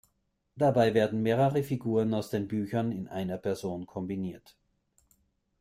Dabei werden mehrere Figuren aus den Büchern in einer Person kombiniert.